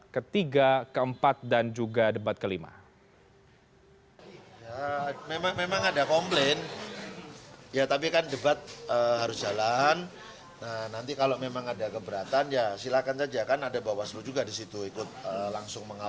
ketiga keempat dan juga debat kelima